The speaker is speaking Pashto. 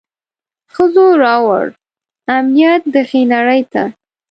ښځو راووړ امنيت دغي نړۍ ته.